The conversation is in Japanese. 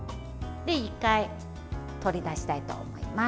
１回取り出したいと思います。